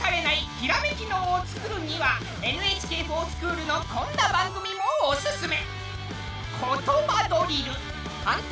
ひらめき脳をつくるには「ＮＨＫｆｏｒＳｃｈｏｏｌ」のこんな番組もおすすめ。